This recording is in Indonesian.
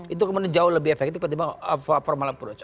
itu kemudian jauh lebih efektif ketimbang formal approach